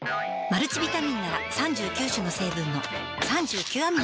マルチビタミンなら３９種の成分の３９アミノ